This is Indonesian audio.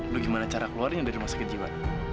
lo gimana cara keluarinya dari rumah sakit jiwa